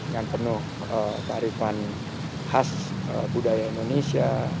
dengan penuh tarifan khas budaya indonesia